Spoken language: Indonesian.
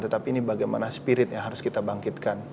tetapi ini bagaimana spirit yang harus kita bangkitkan